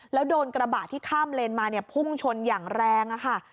แล้วโดนกระบะที่ข้ามเลนมาเนี่ยพุ่งชนอย่างแรงค่ะ